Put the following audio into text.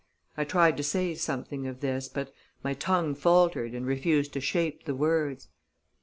I tried to say something of this, but my tongue faltered and refused to shape the words.